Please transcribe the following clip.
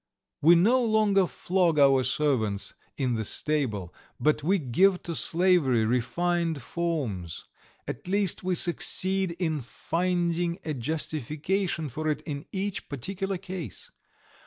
We no longer flog our servants in the stable, but we give to slavery refined forms, at least, we succeed in finding a justification for it in each particular case.